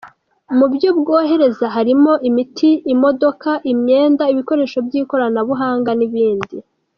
Mu byo bwohereza harimo imiti, imodoka, imyenda, ibikoresho by’ikoranabuhanga n’ibindi.